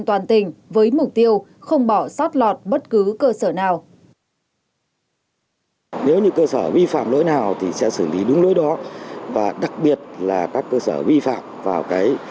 an tỉnh với mục tiêu không bỏ xót lọt bất cứ cơ sở nào